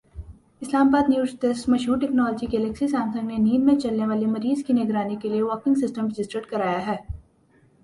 اسلام آبادنیو زڈیسک مشہور ٹیکنالوجی گلیکسی سامسنگ نے نیند میں چلنے والے مریض کی نگرانی کیلئے والکنگ سسٹم رجسٹرڈ کرایا ہے